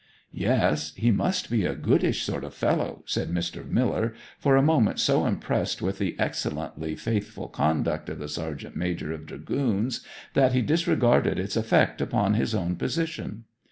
'Yes ... He must be a goodish sort of fellow,' said Mr. Miller, for a moment so impressed with the excellently faithful conduct of the sergeant major of dragoons that he disregarded its effect upon his own position.